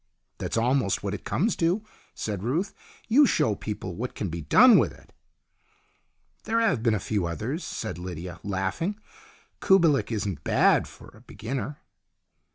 "That's almost what it comes to," said Ruth. " You show people what can be done with it." " There have been a few others," said Lydia, laughing. " Kubelik isn't bad for a beginner."